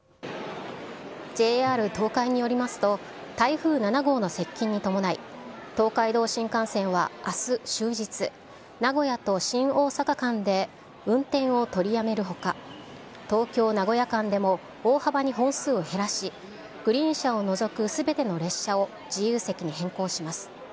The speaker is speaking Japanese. ＪＲ東海によりますと、台風７号の接近に伴い、東海道新幹線はあす終日、名古屋と新大阪間で運転を取りやめるほか、東京・名古屋間でも大幅に本数を減らし、グリーン車を除くすべての列車を自由席に変更します。